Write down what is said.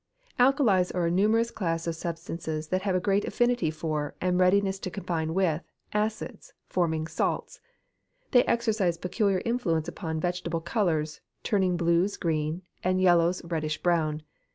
_ Alkalies are a numerous class of substances that have a great affinity for, and readily combine with, acids, forming salts. They exercise peculiar influence upon vegetable colours, turning blues green, and yellows reddish brown.